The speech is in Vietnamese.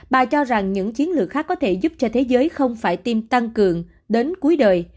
bà cho rằng những chiến lược khác có thể giúp cho thế giới không phải tiêm tăng cường đến cuối đời